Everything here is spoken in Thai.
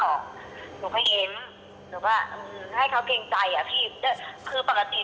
แล้วก็แบบพยายามจะปีนข้างหน้าปีนมอนิเตอร์อะไรอย่างเงี้ย